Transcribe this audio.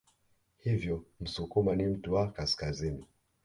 Hivyo Msukuma ni mtu wa Kaskazini